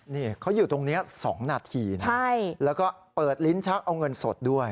นี่เขาอยู่ตรงนี้๒นาทีนะแล้วก็เปิดลิ้นชักเอาเงินสดด้วย